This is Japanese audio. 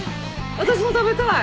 私も食べたい！